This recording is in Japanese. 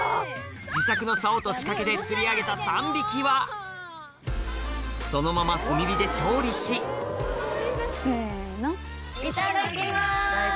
自作の竿と仕掛けで釣り上げた３匹はそのまま炭火で調理しせの。